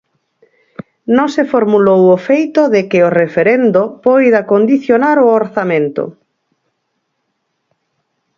Non se formulou o feito de que o referendo poida condicionar o orzamento.